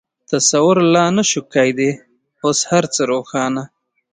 تصور لا نه شوای کېدای، اوس هر څه روښانه.